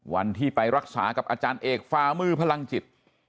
วันที่ไปรักษากับอาจารย์เอกฝามือพลังจิต